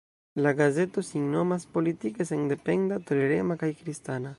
La gazeto sin nomas politike sendependa, tolerema kaj kristana.